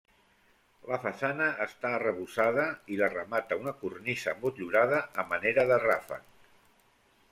La façana està arrebossada i la remata una cornisa motllurada a manera de ràfec.